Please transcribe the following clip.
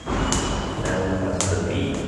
Now we must defeat.